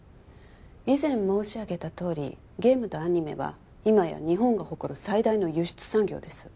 以前申し上げたとおりゲームとアニメは今や日本が誇る最大の輸出産業です